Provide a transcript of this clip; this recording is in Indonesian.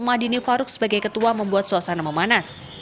madini faruk sebagai ketua membuat suasana memanas